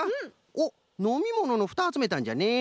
おっのみもののフタあつめたんじゃね。